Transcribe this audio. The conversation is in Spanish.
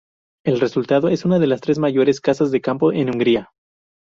El resultado es una de las tres mayores casas de campo en Hungría.